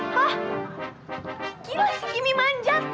hah gila si kimi manjat ya ampun